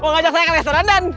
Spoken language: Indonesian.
mau ngajak saya ke restoran den